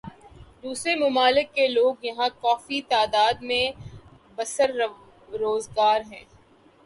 دوسرے ممالک کے لوگ یہاں کافی تعداد میں برسر روزگار ہیں